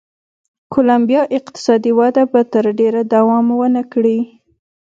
کولمبیا اقتصادي وده به تر ډېره دوام و نه کړي.